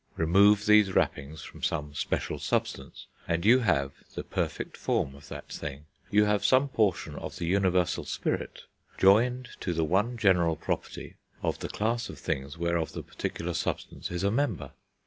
Remove these wrappings from some special substance, and you have the perfect form of that thing; you have some portion of the Universal Spirit joined to the one general property of the class of things whereof the particular substance is a member.